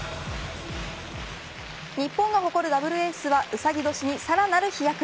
日本が誇るダブルエースはうさぎ年に更なる飛躍へ。